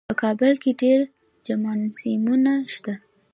په کابل کې ډېر جمنازیمونه شته.